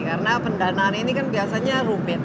karena pendanaan ini kan biasanya rupet